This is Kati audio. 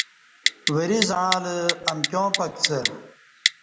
وری زعݩلہ امکیاں پکڅہ